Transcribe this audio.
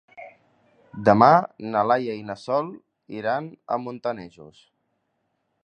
Demà na Laia i na Sol iran a Montanejos.